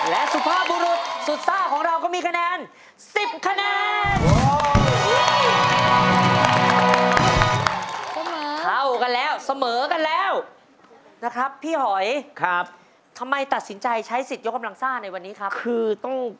และสุภาพบุรุษสุดซ่าของเราก็มีคะแนน๑๐คะแนน